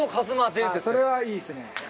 伝それはいいっすね。